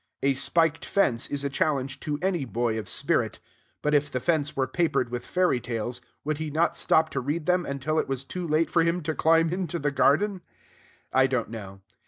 A spiked fence is a challenge to any boy of spirit. But if the fence were papered with fairy tales, would he not stop to read them until it was too late for him to climb into the garden? I don't know.